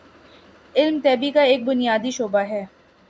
علم طبیعی کا ایک بنیادی شعبہ ہے